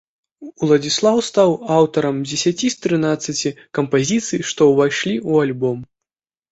Уладзіслаў стаў аўтарам дзесяці з трынаццаці кампазіцый, што ўвайшлі ў альбом.